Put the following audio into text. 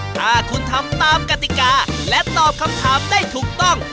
ถ้าคุณทำตามกติกาและตอบคำถามได้ถูกต้อง